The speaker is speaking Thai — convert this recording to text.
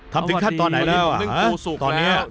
ทำถึงขั้นตอนไหนแล้วตอนนี้อ๋อนึ่งปูสุกแล้ว